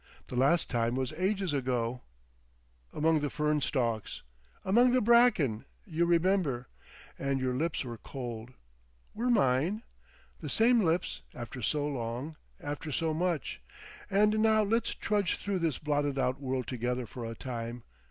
The last time was ages ago." "Among the fern stalks." "Among the bracken. You remember. And your lips were cold. Were mine? The same lips—after so long—after so much!... And now let's trudge through this blotted out world together for a time.